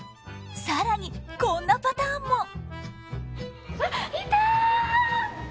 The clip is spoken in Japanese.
更にこんなパターンも。